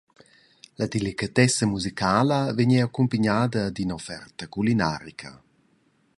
La delicatessa musicala vegn era accumpignada d’ina offerta culinarica.